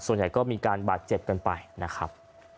ส่วนใหญ่ก็มีการบาดเจ็บกันไปนะครับ